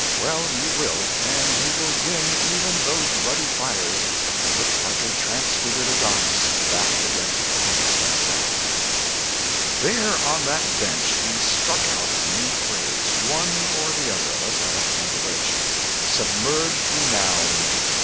"Well, you will, and he will dim even those ruddy fires and look like a transfigured Adonis backed against a pink sunset." There on that bench we struck out a new phrase one or the other of us, I don't remember which "submerged renown."